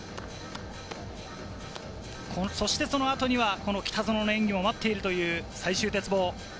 そのあとには北園の演技も待っているという最終の鉄棒。